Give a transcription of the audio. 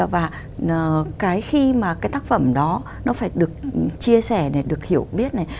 và cái khi mà cái tác phẩm đó nó phải được chia sẻ này được hiểu biết này